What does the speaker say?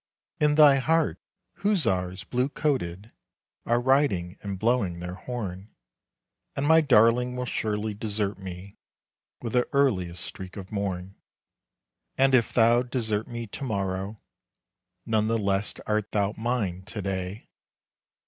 In thy heart hussars blue coated Are riding and blowing their horn; And my darling will surely desert me With the earliest streak of morn. And if thou desert me to morrow, None the less art thou mine to day.